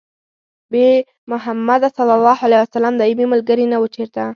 بې محمده ص دايمي ملګري نه وو چېرته